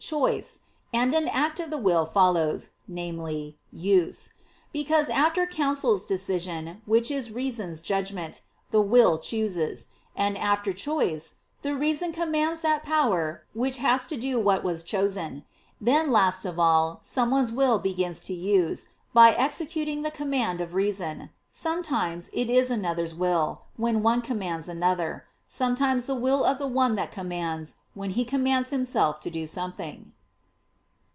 choice; and an act of the will follows, viz. use. Because after counsel's decision, which is reason's judgment, the will chooses; and after choice, the reason commands that power which has to do what was chosen; and then, last of all, someone's will begins to use, by executing the command of reason; sometimes it is another's will, when one commands another; sometimes the will of the one that commands, when he commands himself to do something.